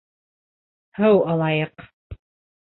Һыу алайыҡ...